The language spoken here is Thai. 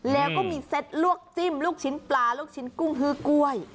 แล้วก็มีเซ็ตลวกจิ้มลูกชิ้นปลาลูกชิ้นกุ้งฮือกล้วย